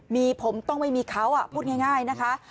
มีผมต้องไม่มีเขาพูดง่ายนะคะ